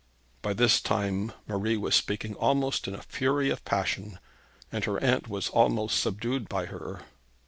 By this time Marie was speaking almost in a fury of passion, and her aunt was almost subdued by her.